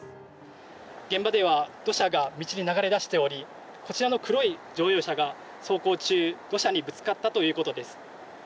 現場では土砂が道に流れ出しておりこちらの黒い乗用車が走行中に土砂にぶつかったということです。